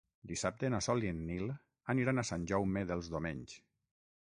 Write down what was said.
Dissabte na Sol i en Nil aniran a Sant Jaume dels Domenys.